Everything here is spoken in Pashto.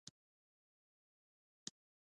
آیا تاریخ تیر شوي خواړه پلورل کیږي؟